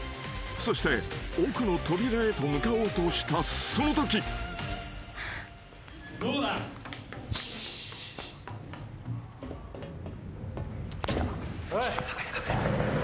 ［そして奥の扉へと向かおうとしたそのとき］来た。